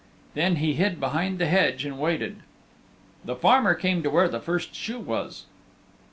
Then he hid behind the hedge and waited. The farmer came to where the first shoe was.